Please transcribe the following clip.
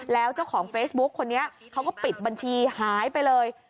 แล้วเจ้าของเฟซบุ๊กคนนี้เขาก็ปิดบัญชีหายไปเลย